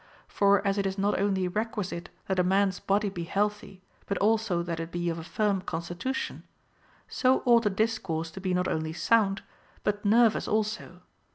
For as it is not only requisite that a man s body be healthy, but also that it be of a firm constitution, so ought a dis course to be not only sound, but nervous also.